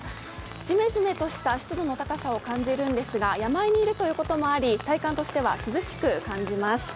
じめじめとした湿度の高さを感じるんですが、山あいにいることもあり、体感としては涼しく感じます。